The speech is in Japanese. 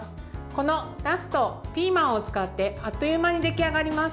この、なすとピーマンを使ってあっという間に出来上がります。